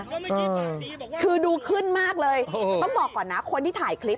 คือดูขึ้นมากเลยต้องบอกก่อนนะคนที่ถ่ายคลิป